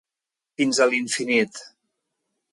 Fins a l'infinit.